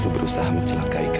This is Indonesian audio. tak pernah mu jelek